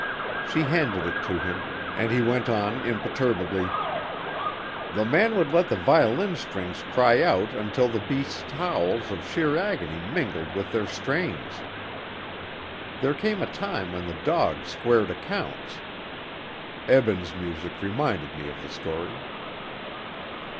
She handed it to him, and he went on imperturbably: "The man would let the violin strings cry out until the beast's howls of sheer agony mingled with their strains. There came a time when the dog squared accounts. Eben's music reminded me of the story."